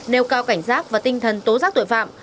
nêu cao cảnh giác và tinh thần tố giác tội phạm